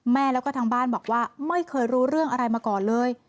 แม่แล้วก็ทางบ้านบอกว่าไม่เคยรู้เรื่องอะไรมาก่อนเลย